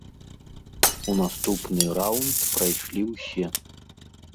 У наступны раўнд прайшлі ўсе.